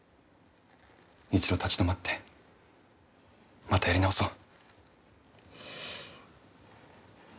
一度立ち止まってまたやり直そう。